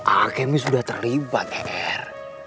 akemi sudah terlibat er